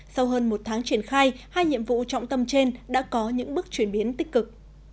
sau hơn một tháng triển khai hai nhiệm vụ trọng tâm trên đã có những bước chuyển biến tích cực